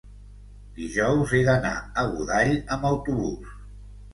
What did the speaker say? dijous he d'anar a Godall amb autobús.